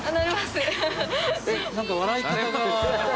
何か笑い方が。